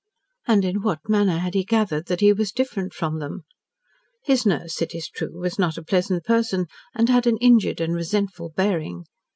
And in what manner had he gathered that he was different from them? His nurse, it is true, was not a pleasant person, and had an injured and resentful bearing.